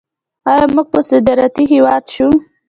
آیا موږ به صادراتي هیواد شو؟